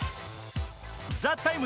「ＴＨＥＴＩＭＥ，」